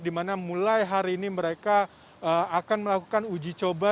dimana mulai hari ini mereka akan melakukan uji coba